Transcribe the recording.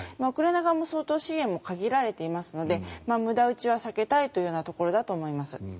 ウクライナ側も相当、支援も限られていますので無駄撃ちは避けたいというところだと思います。